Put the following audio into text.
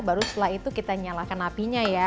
baru setelah itu kita nyalakan apinya ya